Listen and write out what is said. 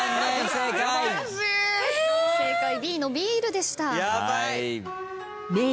正解Ｂのビールでした。